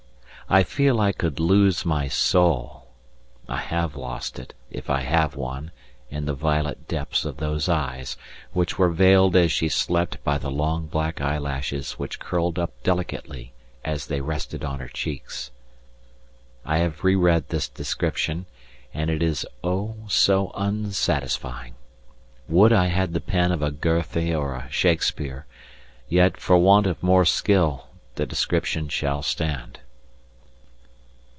I feel I could lose my soul; I have lost it, if I have one, in the violet depths of those eyes, which were veiled as she slept by the long black eyelashes which curled up delicately as they rested on her cheeks. I have re read this description, and it is oh, so unsatisfying; would I had the pen of a Goethe or a Shakespeare, yet for want of more skill the description shall stand.